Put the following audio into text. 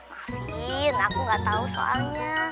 makasihin aku nggak tau soalnya